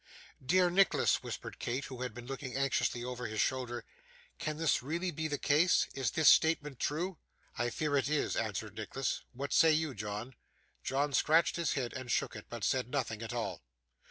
'Dear Nicholas,' whispered Kate, who had been looking anxiously over his shoulder, 'can this be really the case? Is this statement true?' 'I fear it is,' answered Nicholas. 'What say you, John?' John scratched his head and shook it, but said nothing at all.